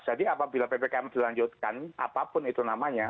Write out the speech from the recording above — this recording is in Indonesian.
jadi apabila ppkm dilanjutkan apapun itu namanya